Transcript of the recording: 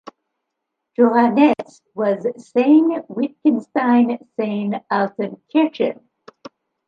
Johanette's was Sayn-Wittgenstein-Sayn-Altenkirchen.